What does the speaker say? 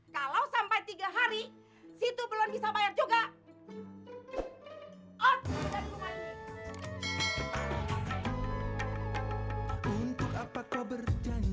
kalau di sini tau aku ga mau